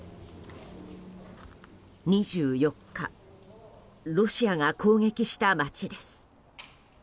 ２４日ロシアが攻撃した街です。